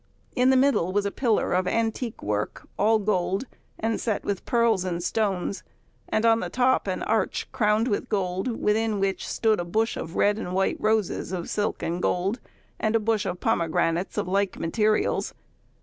In the middle was a pillar of antique work, all gold, and set with pearls and stones, and on the top an arch crowned with gold, within which stood a bush of red and white roses of silk and gold, and a bush of pomegranates of like materials.